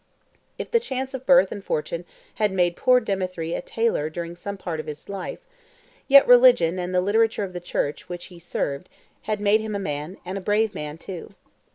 If the chance of birth and fortune had made poor Dthemetri a tailor during some part of his life, yet religion and the literature of the Church which he served had made him a man, and a brave man too.